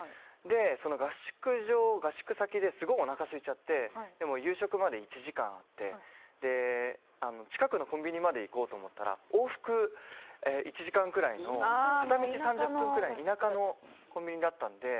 合宿先ですごいおなかすいちゃって夕食まで１時間あって近くのコンビニまで行こうと思ったら往復１時間くらいの片道３０分くらい田舎のコンビニだったので。